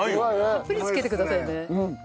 たっぷりつけてくださいね。